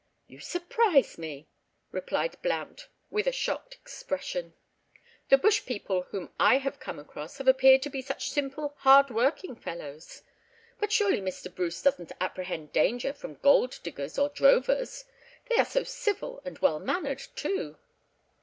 "You surprise me!" replied Blount, with a shocked expression. "The bush people whom I have come across have appeared to be such simple, hard working fellows. But surely Mr. Bruce doesn't apprehend danger from gold diggers or drovers? They are so civil and well mannered too."